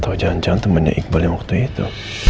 atau jangan jangan temannya iqbal yang waktu itu